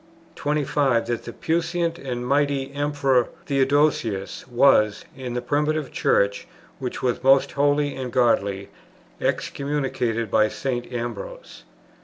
25. That the puissant and mighty Emperor Theodosius was, in the Primitive Church which was most holy and godly, excommunicated by St. Ambrose.